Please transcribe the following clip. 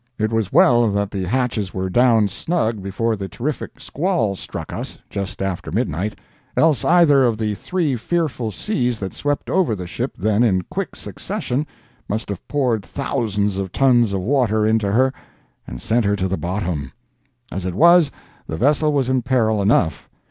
It was well that the hatches were down snug before the terrific squall struck us, just after midnight, else either of the three fearful seas that swept over the ship then in quick succession must have poured thousands of tons of water into her and sent her to the bottom. As it was, the vessel was in peril enough.